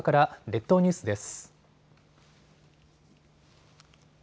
列島ニュースです。